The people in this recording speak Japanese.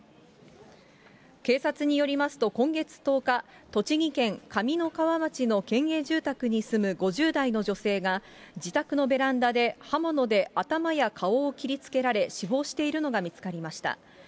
警察によりますと、今月１０日、栃木県上三川町の県営住宅に住む５０代の女性が、自宅のベランダで刃物で頭や顔を切りつけられ死亡しているのが見つかりました。